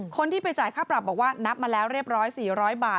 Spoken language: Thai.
คนที่ไปจ่ายค่าปรับบอกว่านับมาแล้วเรียบร้อย๔๐๐บาท